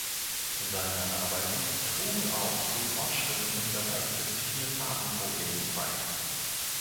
Seine Arbeiten trugen auch zu Fortschritten im Bereich des Vier-Farben-Problems bei.